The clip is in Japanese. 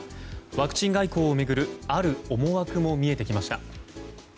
ワクチン外交を巡るある思惑も見えてきました。